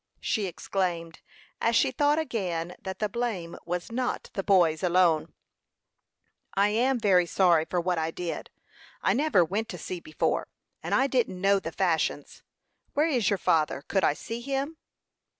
she exclaimed, as she thought again that the blame was not the boy's alone. "I am very sorry for what I did. I never went to sea before, and I didn't know the fashions. Where Is your father? Could I see him?"